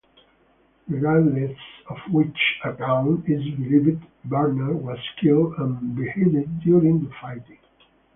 Regardless of which account is believed, Bernard was killed and beheaded during the fighting.